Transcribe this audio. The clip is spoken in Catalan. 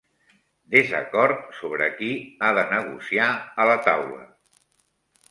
Desacord sobre qui ha de negociar a la taula